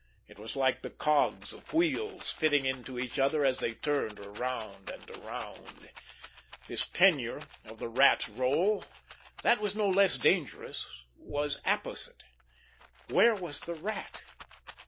It was like the cogs of wheels fitting into each other as they turned around and around. This tenure of the Rat's rôle, that was no less dangerous, was apposite. Where was the Rat?